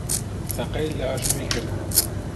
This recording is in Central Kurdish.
تەقەی لە ئەژنۆی کرد.